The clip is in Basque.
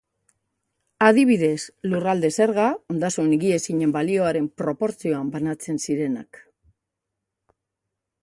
Adibidez, lurralde-zerga, ondasun higiezinen balioaren proportzioan banatzen zirenak.